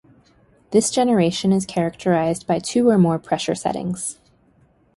This generation is characterized by two or more pressure settings.